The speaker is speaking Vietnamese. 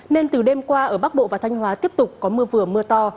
nên từ đêm qua ở bắc bộ và thanh hóa tiếp tục có mưa vừa mưa to